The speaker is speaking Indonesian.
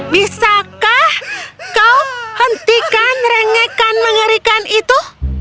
bisakah kau hentikan rengekan mengerikan itu